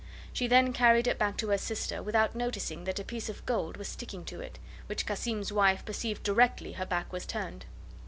She then carried it back to her sister, without noticing that a piece of gold was sticking to it, which Cassim's wife perceived directly her back was turned.